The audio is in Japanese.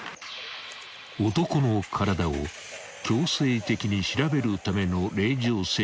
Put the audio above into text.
［男の体を強制的に調べるための］